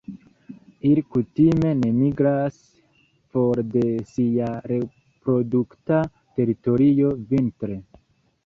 Ili kutime ne migras for de sia reprodukta teritorio vintre.